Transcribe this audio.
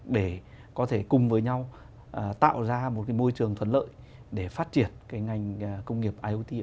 để có thể cùng với nhau tạo ra một môi trường thuận lợi để phát triển ngành công nghiệp